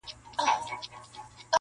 او انځورونه خپروي-